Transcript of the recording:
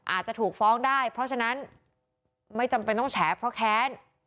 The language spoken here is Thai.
อาจจะถูกฟ้องได้เพราะฉะนั้นไม่จำเป็นต้องแฉเพราะแค้น